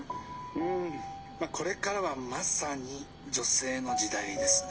「うん。これからはまさに女性の時代ですね。